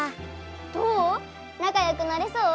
どうなかよくなれそう？